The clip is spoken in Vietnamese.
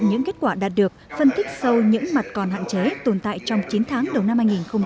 những kết quả đạt được phân tích sâu những mặt còn hạn chế tồn tại trong chín tháng đầu năm hai nghìn hai mươi